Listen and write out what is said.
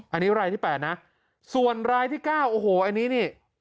อันนี้รายที่๘นะส่วนรายที่๙